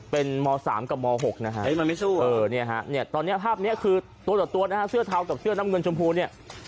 เป็นม๓กับม๖นะฮะตอนนี้ภาพนี้คือตัวต่อตัวนะฮะเสื้อเทากับเสื้อน้ำเงินชมพูเนี่ย